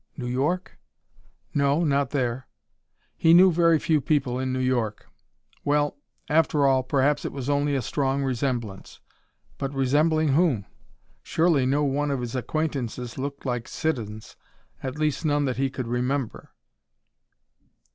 New York? No, not there. He knew very few people in New York. Well, after all, perhaps it was only a strong resemblance. But resembling whom? Surely no one of his acquaintances looked like Siddons, at least none that he could remember.